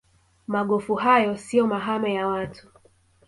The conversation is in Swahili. magofu hayo siyo mahame ya watu